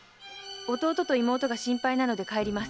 弟と妹が心配なので帰ります」